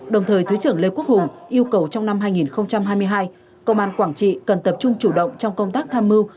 đồng thời thứ trưởng lê quốc hùng yêu cầu trong năm hai nghìn hai mươi hai công an quảng trị cần tập trung chủ động trong công tác tham mưu